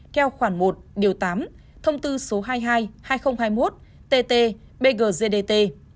kheo khoản một điều tám thông tư số hai mươi hai hai nghìn hai mươi một tt bgzdt